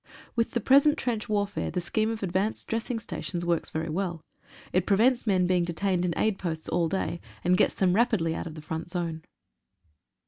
With the present trench warfare the scheme of advanced dressing stations works very well. It prevents men being detained in aid posts all day, an:! gets them rapidly out of the front zone.